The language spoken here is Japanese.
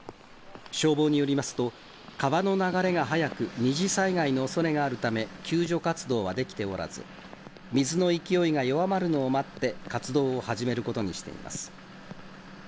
消防によりますと、川の流れが速く、二次災害のおそれがあるため、救助活動はできておらず、水の勢いが弱まるのを待って、活動を始めることにしています。